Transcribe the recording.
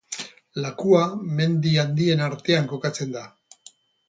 Lakua mendi handien artean kokatzen da.